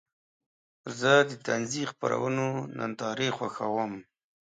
زه د طنزي خپرونو نندارې خوښوم.